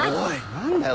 何だよ